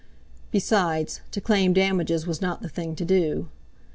Besides, to claim damages was not the thing to do.